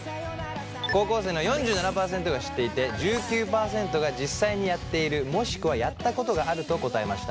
高校生の４７％が知っていて１９％が実際にやっているもしくはやったことがあると答えました。